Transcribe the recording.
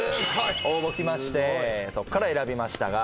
応募来ましてそっから選びましたが。